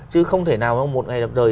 chứ không thể nào một ngày đập rời